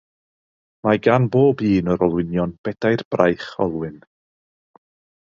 Mae gan bob un o'r olwynion bedair braich olwyn.